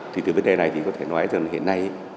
thì từ vấn đề này thì có thể nói rằng là hiện nay